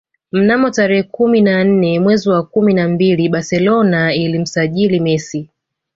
Mnamo tarehe kumi na nne mwezi wa kumi na mbili Barcelona ilimsajili Messi